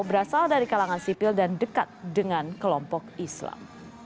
berasal dari kalangan sipil dan dekat dengan kelompok islam